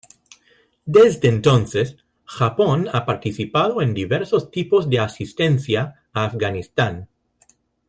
Desde entonces, Japón ha participado en diversos tipos de asistencia a Afganistán.